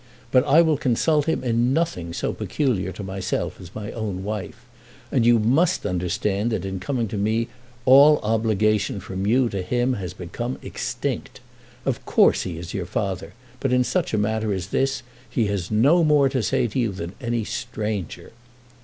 But I will consult him in nothing so peculiar to myself as my own wife. And you must understand that in coming to me all obligation from you to him became extinct. Of course he is your father; but in such a matter as this he has no more to say to you than any stranger."